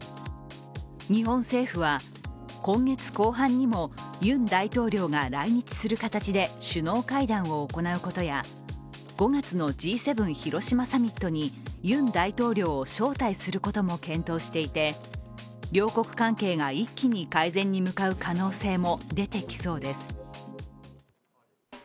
日本政府は、今月後半にもユン大統領が来日する形で首脳会談を行うことや５月のＧ７広島サミットにユン大統領を招待することも検討していて両国関係が一気に改善に向かう可能性も出てきそうです。